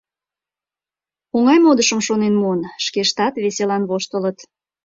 Оҥай модышым шонен муын, шкештат веселан воштылыт.